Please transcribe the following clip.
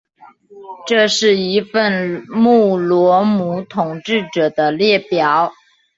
这是一份穆罗姆统治者的列表。